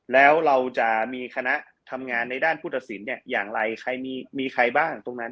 แล้วเราจะมีคณะทำงานในด้านผู้ตัดสินอย่างไรใครมีใครบ้างตรงนั้น